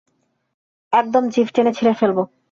একদম জিভ টেনে ছিঁড়ে ফেলবো!